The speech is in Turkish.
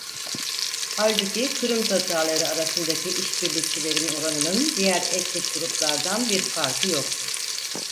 Halbuki Kırım Tatarları arasındaki işbirlikçilerin oranının diğer etnik gruplardan bir farkı yoktu.